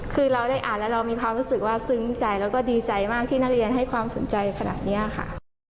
คือเราได้อ่านแล้วเรามีความรู้สึกว่าซึ้งใจแล้วก็ดีใจมากที่นักเรียนให้ความสนใจขนาดนี้ค่ะ